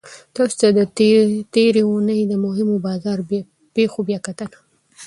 تاسو ته د تیرې اونۍ د مهمو بازار پیښو بیاکتنه